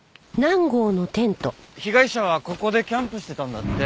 被害者はここでキャンプしてたんだって。